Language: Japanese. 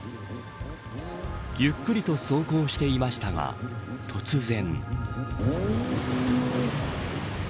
ゆっくりと走行してましたが突然。